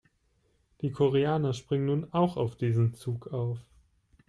Die Koreaner springen nun auch auf diesen Zug auf.